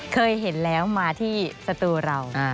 เคยเห็นแล้วมาที่สตูเรา